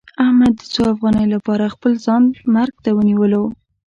احمد د څو افغانیو لپاره خپل ځان مرګ ته ونیولو.